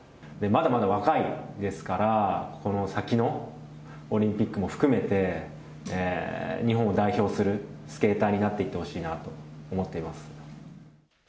まだまだ若いですから、この先のオリンピックも含めて、日本を代表するスケーターになっていってほしいなと思っています。